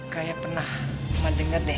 kayak pernah cuma dengar deh